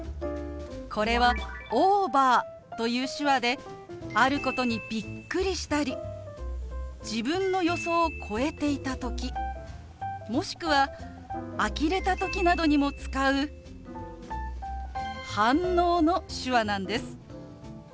これは「オーバー」という手話であることにびっくりしたり自分の予想を超えていた時もしくはあきれた時などにも使う反応の手話なんです。